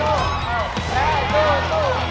เย้สิบพ้ายแล้ว